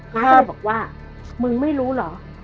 ก็เลยบอกว่ามึงไม่รู้เหรอ